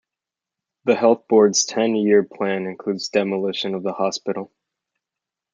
The health board's ten-year plan includes demolition of the hospital.